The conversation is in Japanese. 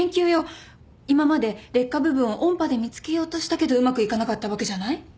今まで劣化部分を音波で見つけようとしたけどうまくいかなかったわけじゃない？